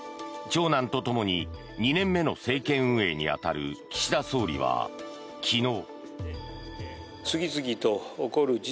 長男とともに２年目の政権運営に当たる岸田総理は昨日。